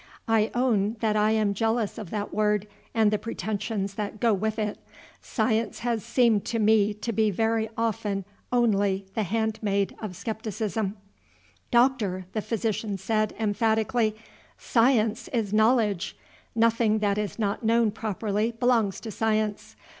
I own that I am jealous of that word and the pretensions that go with it. Science has seemed to me to be very often only the handmaid of skepticism." "Doctor!" the physician said, emphatically, "science is knowledge. Nothing that is not known properly belongs to science.